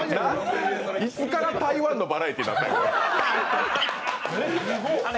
いつから台湾のバラエティーになったの？